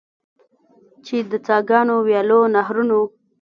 چې د څاګانو، ویالو، نهرونو.